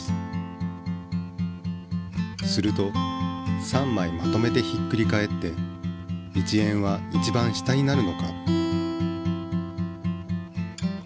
すると３まいまとめてひっくり返って１円は一番下になるのか？